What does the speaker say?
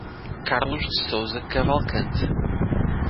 Carlos de Souza Cavalcante